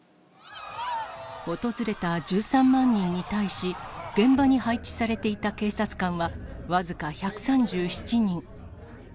訪れた１３万人に対し、現場に配置されていた警察官は僅か１３７人。